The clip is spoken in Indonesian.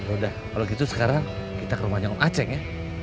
udah kalau gitu sekarang kita ke rumahnya aceh ya